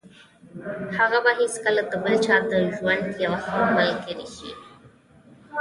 هغه به څنګه د بل چا د ژوند يوه ښه ملګرې شي.